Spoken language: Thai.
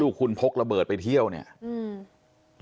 ลูกคุนพกระเบิดไปเที่ยวเนี่ย